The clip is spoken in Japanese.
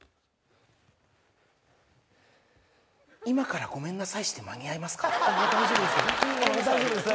今からごめんなさいして間に合いますか？